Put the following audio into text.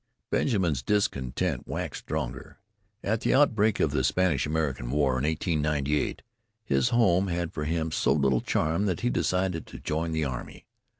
Benjamin's discontent waxed stronger. At the outbreak of the Spanish American War in 1898 his home had for him so little charm that he decided to join the army.